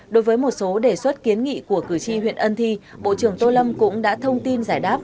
đối với một số đề xuất kiến nghị của cử tri huyện ân thi bộ trưởng tô lâm cũng đã thông tin giải đáp